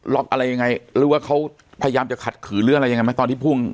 อะไรยังไงหรือว่าเขาพยายามจะขัดขืนหรืออะไรยังไงไหมตอนที่พุ่ง